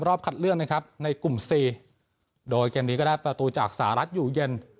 คัดเลือกนะครับในกลุ่มสี่โดยเกมนี้ก็ได้ประตูจากสหรัฐอยู่เย็น